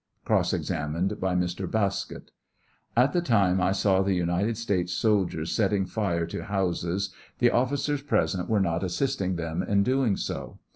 21 CrosB examined by Mr. Bauskett : At the time I saw the United States soldiers setting fire to houses the officers present were not assisting them in doing so.